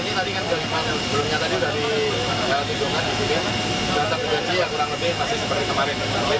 ini kan ada tiga kapal pemerintah cina